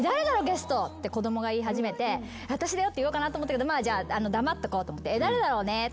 って子供が言い始めて私だよって言おうかなと思ったけどまあ黙っとこうと思って誰だろうねとか言ってでＣＭ明けて。